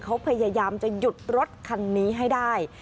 เขาพยายามจะหยุดรถคันนี้ให้ได้